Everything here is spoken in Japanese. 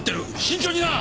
慎重にな！